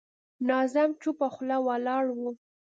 ناظم چوپه خوله ولاړ و.